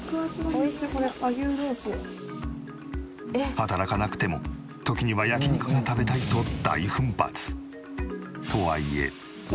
働かなくても時には焼肉も食べたいと大奮発。